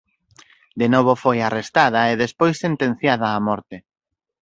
De novo foi arrestada e despois sentenciada a morte.